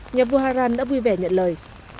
nhà vua hà ràn đã vui vẻ nhận lời